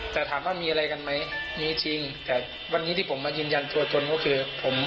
แต่ถามว่ามีอะไรกันไหมมีจริงแต่วันนี้ที่ผมมายืนยันตัวตนก็คือผม